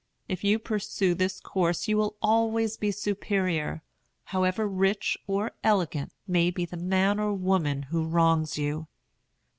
If you pursue this course you will always be superior, however rich or elegant may be the man or woman who wrongs you.